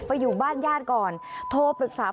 อยู่บ้านญาติก่อนโทรปรึกษา